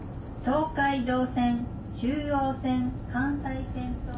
東海道線中央線関西線と」。